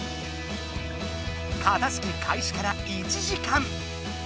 片づけかいしから１時間。